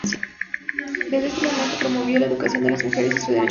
Desde este movimiento promovió la educación de las mujeres y su derecho a voto.